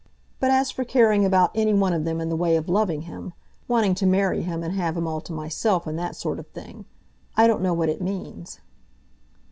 But as for caring about any one of them in the way of loving him, wanting to marry him, and have him all to myself, and that sort of thing, I don't know what it means."